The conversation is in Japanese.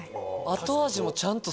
後味もちゃんとすごい。